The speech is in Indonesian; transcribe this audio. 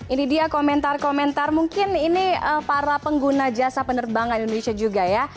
ini dia komentar komentar mungkin ini para pengguna jasa penerbangan indonesia juga ya